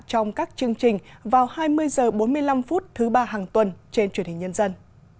trong các chương trình vào hai mươi h bốn mươi năm thứ ba hàng tuần trên truyền hình nhân dân